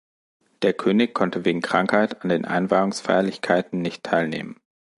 Der König konnte wegen Krankheit an den Einweihungsfeierlichkeiten nicht teilnehmen.